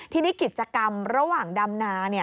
ทีนี้กิจกรรมระหว่างดำนา